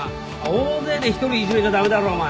大勢で１人いじめちゃ駄目だろお前。